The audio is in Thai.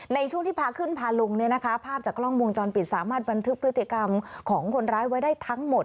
ในช่วงที่พาขึ้นพาลุงภาพจากกล้องวงจรปิดสามารถบันทึกพฤติกรรมของคนร้ายไว้ได้ทั้งหมด